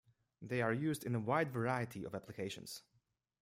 They are used in a wide variety of applications.